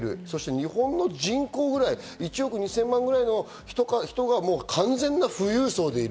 日本の人口ぐらい、１億２０００万ぐらいの人がもう完全な富裕層。